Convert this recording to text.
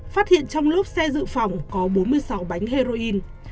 phát hiện trong lúc xe dự phòng có bốn mươi sáu bánh heroin